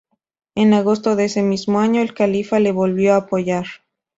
En agosto de ese mismo año el califa le volvió a apoyar.